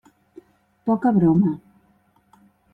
Poca broma.